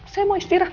saya mau istirahat